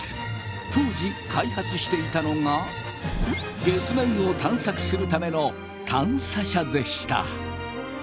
当時開発していたのが月面を探索するための探査車でした。